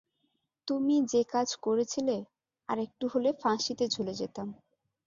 তুমি যেকাজ করেছিলে, আরেকটু হলে ফাঁসিতে ঝুলে যেতাম।